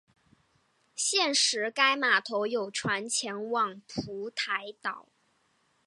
现时该码头有船前往蒲台岛。